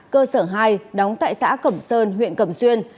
cơ sở hai đóng tại xã cẩm sơn huyện cẩm xuyên